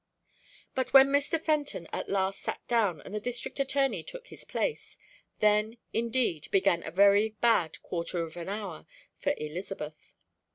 But when Mr. Fenton at last sat down and the District Attorney took his place, then, indeed, began a very bad quarter of an hour for Elizabeth.